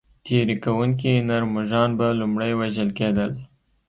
تېري کوونکي نر مږان به لومړی وژل کېدل.